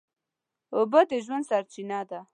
اوبه د ژوند سرچینه ده.